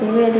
lúc đấy tôi